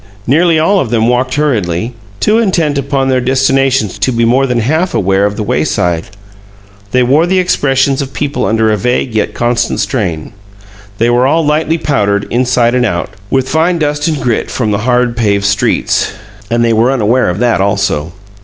Nearly all of them walked hurriedly, too intent upon their destinations to be more than half aware of the wayside; they wore the expressions of people under a vague yet constant strain. They were all lightly powdered, inside and out, with fine dust and grit from the hard paved streets, and they were unaware of that also.